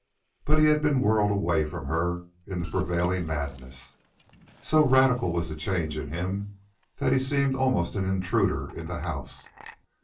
But he had been whirled away from her in the prevailing madness. So radical was the change in him that he seemed almost an intruder in the house.